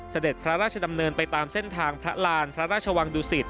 เสด็จพระราชดำเนินไปตามเส้นทางพระรานพระราชวังดุสิต